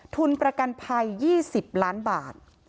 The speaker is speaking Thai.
ทุนประกันภัย๒๐ล้านบาท